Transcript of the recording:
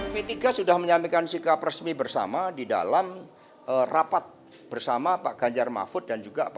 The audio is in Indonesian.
p tiga sudah menyampaikan sikap resmi bersama di dalam rapat bersama pak ganjar mahfud